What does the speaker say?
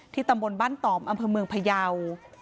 ตำบลบ้านต่อมอำเภอเมืองพยาว